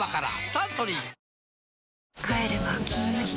サントリー「金麦」